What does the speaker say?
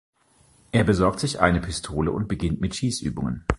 Er besorgt sich eine Pistole und beginnt mit Schießübungen.